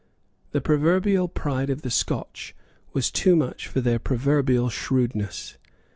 The proverbial pride of the Scotch was too much for their proverbial shrewdness.